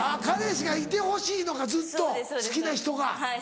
彼氏がいてほしいのかずっと好きな人が。